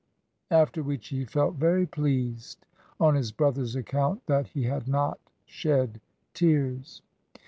after which he felt very pleased, on his brother's account, that he had not shed tears.